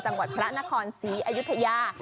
จังหวัดพระนครศรีอยุธยา